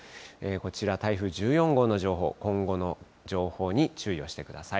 こちら、台風１４号の情報、今後の情報に注意をしてください。